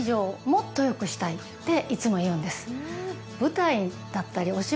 っていつも言うんです。